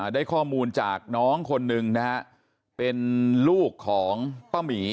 ได้ข้อมูลจากน้องคนหนึ่งนะฮะเป็นลูกของป้าหมี